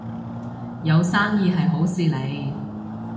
有生意係好事嚟